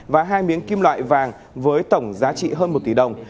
và hai miếng kim loại vàng với tổng giá trị hơn một tỷ đồng